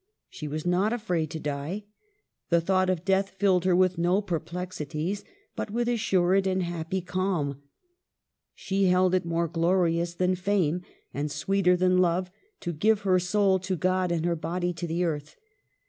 She was not afraid to die. The thought of death filled her with no perplex ities, but with assured and happy calm. She held it more glorious than fame, # and sweeter than love, to give her soul to God and her body to the earth.